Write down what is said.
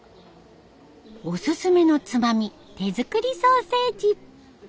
おすすめのつまみ手作りソーセージ。